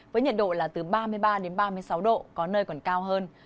với nhiệt độ là từ ba mươi ba đến ba mươi sáu độ có nơi còn cao hơn